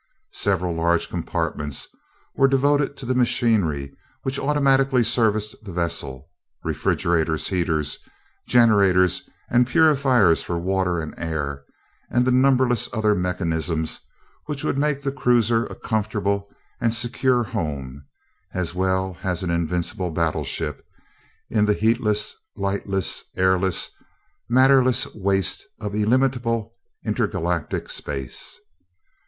Several large compartments were devoted to the machinery which automatically serviced the vessel refrigerators, heaters, generators and purifiers for water and air, and the numberless other mechanisms which would make the cruiser a comfortable and secure home, as well as an invincible battleship, in the heatless, lightless, airless, matterless waste of illimitable, inter galactic space.